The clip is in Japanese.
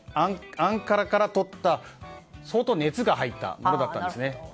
アンカラからとった相当熱が入ったものだったんです。